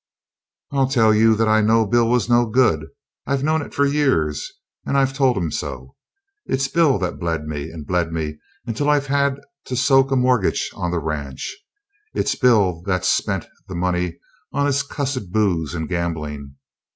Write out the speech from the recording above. "I'll tell you that I know Bill was no good. I've known it for years, and I've told him so. It's Bill that bled me, and bled me until I've had to soak a mortgage on the ranch. It's Bill that's spent the money on his cussed booze and gambling.